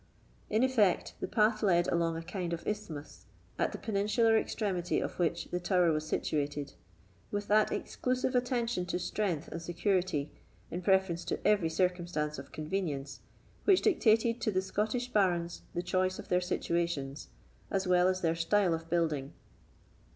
In effect, the path led along a kind of isthmus, at the peninsular extremity of which the tower was situated, with that exclusive attention to strength and security, in preference to every circumstances of convenience, which dictated to the Scottish barons the choice of their situations, as well as their style of building.